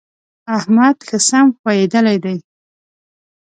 احمد ښه سم ښويېدلی دی.